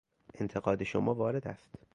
انتقاد شما وارد است.